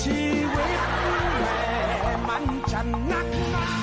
เห็นมันตรงตรงนี้